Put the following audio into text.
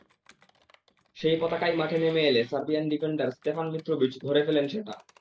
সেই পতাকাই মাঠে নেমে এলে সার্বিয়ান ডিফেন্ডার স্তেফান মিত্রোভিচ ধরে ফেলেন সেটা।